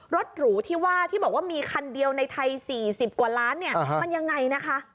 รถหรูที่บอกว่ามีคันเดียวในไทย๔๐กว่าล้านมันยังไงนะคะ